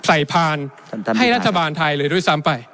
ใส่พานทันทันพิธาครับให้รัฐบาลไทยเลยด้วยซ้ำไป